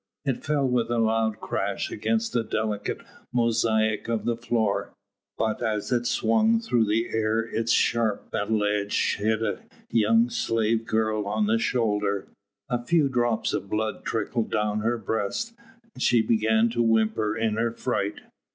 It fell with a loud crash against the delicate mosaic of the floor, but as it swung through the air its sharp metal edge hit a young slave girl on the shoulder; a few drops of blood trickled down her breast and she began to whimper in her fright.